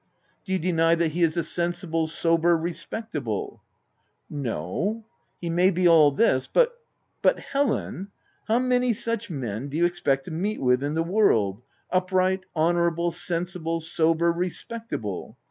" Do you deny that he is a sensible, sober, respectable ?"" No ; he may be all this, but—" " But Helen ! How many such men do you 288 THE TENANT expect to meet with in the world ? Upright, honourable, sensible, sober, respectable